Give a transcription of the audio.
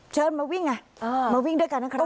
เชิญมาวิ่งไงมาวิ่งด้วยกันนะครับ